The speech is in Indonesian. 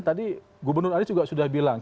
tadi gubernur anies juga sudah bilang